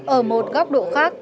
ở một góc độ khác